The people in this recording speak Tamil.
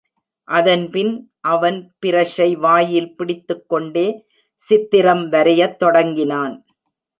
அதன்பின் அவன் பிரஷை வாயில் பிடித்துக் கொண்டே சித்திரம் வரையத் தொடங்கினான்.